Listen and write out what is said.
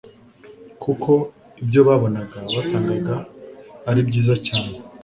kuko ibyo babonaga basangaga ari byiza cyane